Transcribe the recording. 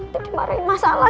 jadi marahin masalah